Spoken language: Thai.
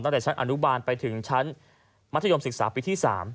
ตั้งแต่ชั้นอนุบาลไปถึงชั้นมัธยมศึกษาปีที่๓